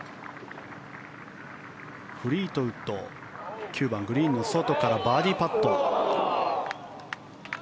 フリートウッド９番、グリーンの外からバーディーパット。